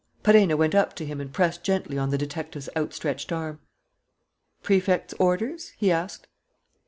Perenna went up to him and pressed gently on the detective's outstretched arm. "Prefect's orders?" he asked.